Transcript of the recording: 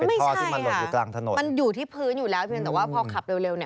เป็นท่อที่มันหล่นอยู่ตรงถนน